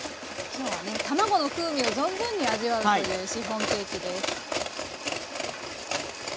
今日はね卵の風味を存分に味わうというシフォンケーキです。